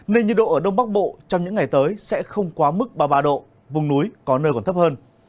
nên nhiệt độ ở đông bắc bộ trong những ngày tới sẽ không quá mức ba mươi ba độ vùng núi có nơi còn thấp hơn